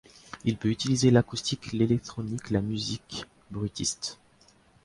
Il peut utiliser l'acoustique, l'électronique, la musique bruitiste.